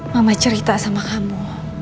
mama cerita sama kamu